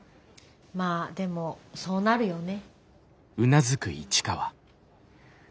まあでもそうなるよね。